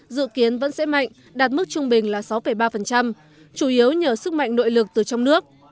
dự kiến vẫn sẽ mạnh đạt mức trung bình là sáu ba chủ yếu nhờ sức mạnh nội lực từ trong nước